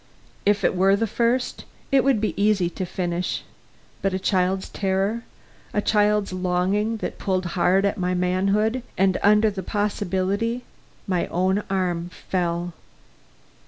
If it were the first, it would be easy to finish; but a child's terror, a child's longing that pulled hard at my manhood, and under the possibility, my own arm fell.